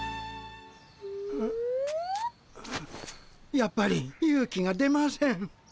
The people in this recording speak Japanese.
やっぱり勇気が出ません。